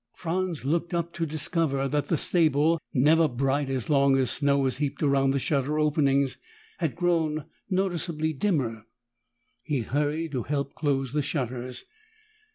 Franz looked up to discover that the stable, never bright as long as snow was heaped around the shutter openings, had grown noticeably dimmer. He hurried to help close the shutters.